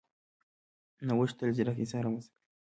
نوښت تل ځیرک انسانان رامنځته کوي.